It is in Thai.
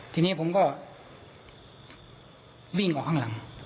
ทีนี้ผมก็วิ่งออกข้างหลัง